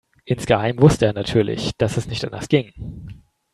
Insgeheim wusste er natürlich, dass es nicht anders ging.